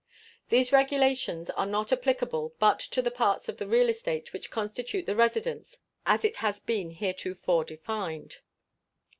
These regulations are not applicable but to the parts of the real estate which constitute the residence, as it has been heretofore defined.